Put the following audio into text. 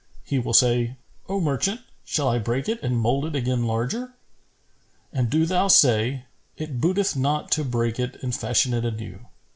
He will say, 'O merchant, shall I break it and mould it again larger?' And do thou say, 'It booteth not to break it and fashion it anew.